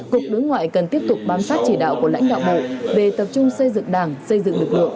cục đối ngoại cần tiếp tục bám sát chỉ đạo của lãnh đạo bộ về tập trung xây dựng đảng xây dựng lực lượng